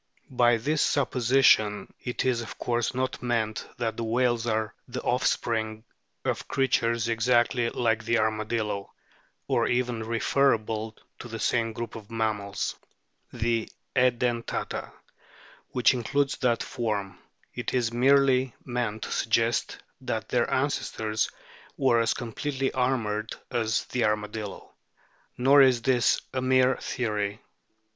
By this supposition it is of course not meant that the whales are the offspring of creatures exactly like the arma dillo, or even referable to the same group of mammals the Edentata which includes that form ; it is merely meant to suggest that their ancestors were as completely armoured as the armadillo. Nor is this mere theory.